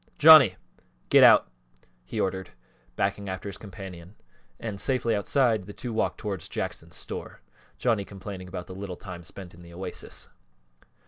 Johnny, get out," he ordered, backing after his companion, and safely outside, the two walked towards Jackson's store, Johnny complaining about the little time spent in the Oasis.